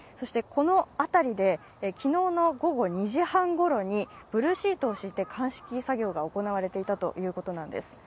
この辺りで昨日の午後２時半に、ブルーシートを敷いて鑑識作業が行われていたということなんです。